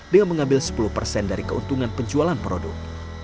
dengan mengambil sepuluh persen dari keuntungan penjualan produk